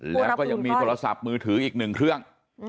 แล้วก็ยังมีโทรศัพท์มือถืออีกหนึ่งเครื่อง